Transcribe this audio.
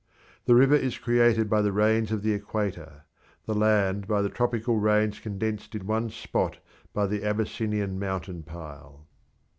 The river is created by the rains of the equator; the land by the tropical rains condensed in one spot by the Abyssinian mountain pile.